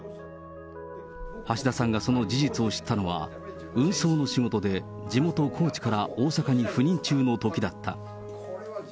橋田さんがその事実を知ったのは、運送の仕事で地元、高知から、大阪に赴任中のときだった。